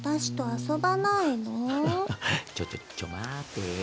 ちょちょっちょ待てよ。